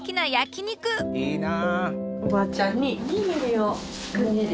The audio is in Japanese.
いいな。